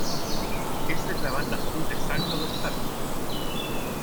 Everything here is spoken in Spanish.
Esta es la banda azul de salto de obstáculos.